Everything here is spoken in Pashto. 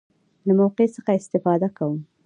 له موقع څخه استفاده کوم.